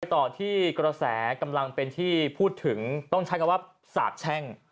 ต่อที่กระแสกำลังเป็นที่พูดถึงต้องใช้คำว่าสาบแช่ง